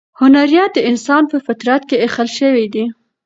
هنریت د انسان په فطرت کې اخښل شوی دی.